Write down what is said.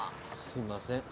すいません